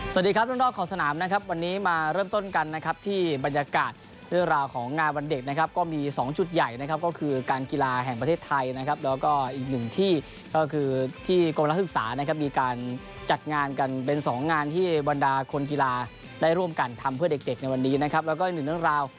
สวัสดีครับเรื่องรอบขอบสนามนะครับวันนี้มาเริ่มต้นกันนะครับที่บรรยากาศเรื่องราวของงานวันเด็กนะครับก็มีสองจุดใหญ่นะครับก็คือการกีฬาแห่งประเทศไทยนะครับแล้วก็อีกหนึ่งที่ก็คือที่กรมนักศึกษานะครับมีการจัดงานกันเป็นสองงานที่บรรดาคนกีฬาได้ร่วมกันทำเพื่อเด็กในวันนี้นะครับแล้วก็อีกหนึ่งเรื่องราว